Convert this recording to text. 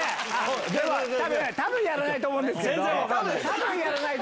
多分やらないと思うんですけど。